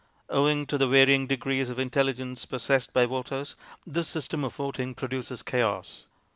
Owing to the varying degrees of intelligence possessed by voters, this system of voting produces chaos.